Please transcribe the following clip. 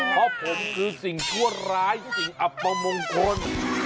เพราะผมคือสิ่งชั่วร้ายสิ่งอัปมงคล